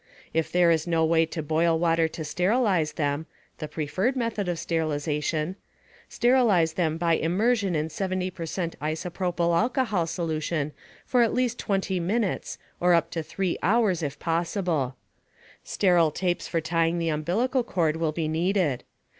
If there is no way to boil water to sterilize them (the preferred method of sterilization), sterilize them by submersion in 70 percent isopropyl alcohol solution for at least 20 minutes or up to 3 hours, if possible. Sterile tapes for tying the umbilical cord will be needed.